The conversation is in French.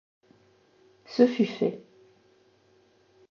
Ce fut fait.